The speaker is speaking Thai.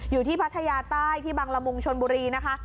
อยู่ที่พัทยาใต้ที่บังระมุงชนบุรีนะคะ